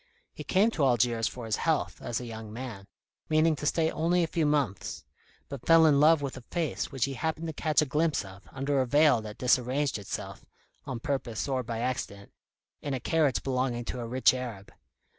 He came to Algiers for his health, as a young man, meaning to stay only a few months, but fell in love with a face which he happened to catch a glimpse of, under a veil that disarranged itself on purpose or by accident in a carriage belonging to a rich Arab.